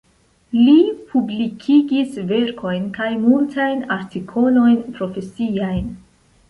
Li publikigis verkojn kaj multajn artikolojn profesiajn.